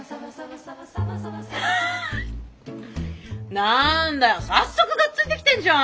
何だよ早速がっついてきてんじゃん！